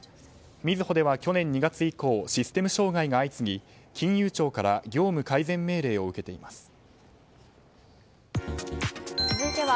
みずほでは去年２月以降システム障害が相次ぎ金融庁から業務改善命令を受けています。